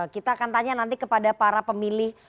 kita akan tanya nanti kepada para pemilih